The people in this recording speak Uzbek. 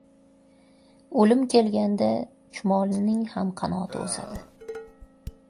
• O‘lim kelib qolganda chumolining ham qanoti o‘sadi.